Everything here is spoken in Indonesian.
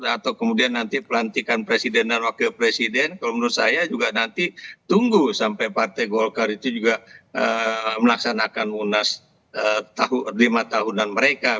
atau kemudian nanti pelantikan presiden dan wakil presiden kalau menurut saya juga nanti tunggu sampai partai golkar itu juga melaksanakan munas lima tahunan mereka